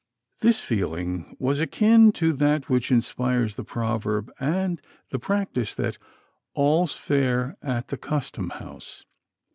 This feeling was akin to that which inspires the proverb and the practice that "all's fair at the Custom house."